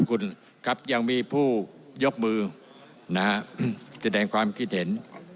คุณครับยังมีผู้ยกมือนะฮะแสดงความคิดเห็น